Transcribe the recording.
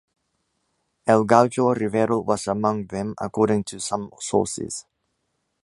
El Gaucho Rivero was among them, according to some sources.